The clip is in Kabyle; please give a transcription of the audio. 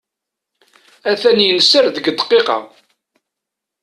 A-t-an yenser deg ddqiqa.